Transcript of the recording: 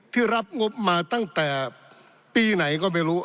ที่รับงบมาตั้งแต่ปีไหนก็ไม่รู้